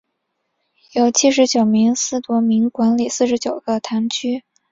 由九十七名司铎名管理四十九个堂区。